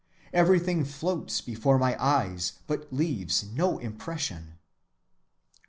Everything floats before my eyes, but leaves no impression."